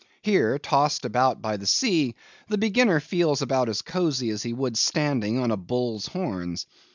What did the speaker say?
Here, tossed about by the sea, the beginner feels about as cosy as he would standing on a bull's horns.